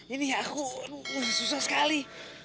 ini aku susah sekali